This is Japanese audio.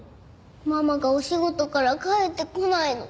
ママがお仕事から帰ってこないの。